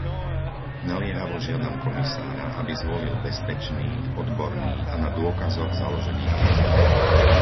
Naliehavo žiadam komisára, aby zvolil bezpečný, odborný a na dôkazoch založený prístup.